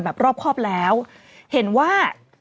รอบครอบแล้วเห็นว่า